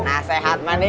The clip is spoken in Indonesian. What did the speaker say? nah sehat mandi